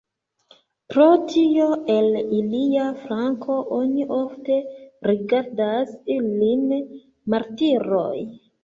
Pro tio, el ilia flanko oni ofte rigardas ilin martiroj.